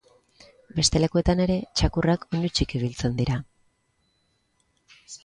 Beste lekuetan ere txakurrak oinutsik ibiltzen dira.